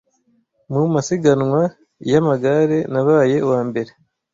Mu masiganwa ya amagare nabaye uwambere